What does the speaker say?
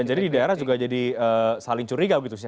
jadi di daerah juga jadi saling curiga gitu sih